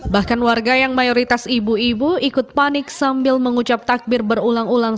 bahkan warga yang mayoritas ibu ibu ikut panik sambil mengucap takbir berulang ulang